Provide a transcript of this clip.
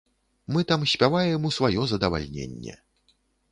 Мы там спяваем у сваё задавальненне.